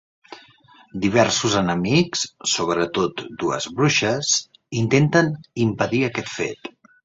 Diversos enemics, sobretot dues bruixes, intenten impedir aquest fet.